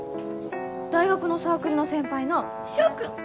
大学のサークルの先輩の翔クン！